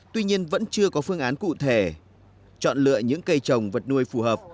tuy nhiên vẫn chưa có phương án cụ thể chọn lựa những cây trồng vật nuôi phù hợp